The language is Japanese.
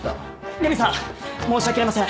麗美さん申し訳ありません！